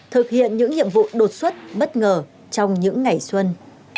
thực hiện những nhiệm vụ đột xuất bất ngờ trong những ngày xuân